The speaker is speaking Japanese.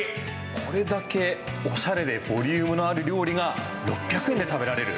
これだけおしゃれでボリュームのある料理が６００円で食べられる！